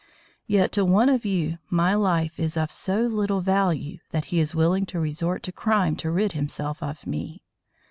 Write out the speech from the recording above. Yet to one of you my life is of so little value that he is willing to resort to crime to rid himself of me.